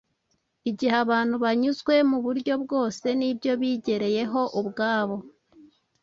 Igihe abantu banyuzwe mu buryo bwose n’ibyo bigereyeho ubwabo,